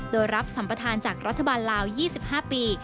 โดยรับสัมประธานจากรัฐบาลลาว๒๕ปี